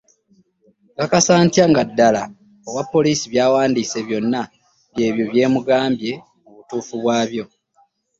Nkakasa ntya nga ddala owapoliisi by’awandiise byonna byebyo byemugambye mu butuufu bwabyo?